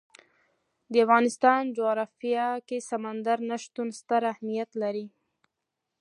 د افغانستان جغرافیه کې سمندر نه شتون ستر اهمیت لري.